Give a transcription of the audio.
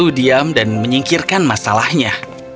dia berdiam dan menyingkirkan masalahnya